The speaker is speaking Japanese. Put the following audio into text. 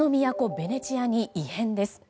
ベネチアに異変です。